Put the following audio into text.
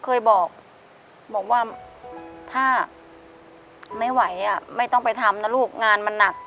เคยบอกบอกว่าถ้าไม่ไหวไม่ต้องไปทำนะลูกงานมันหนัก